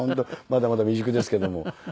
まだまだ未熟ですけども。